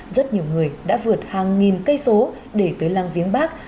rất nhiều người đã vượt hàng nghìn cây số để tới làng viếng bắc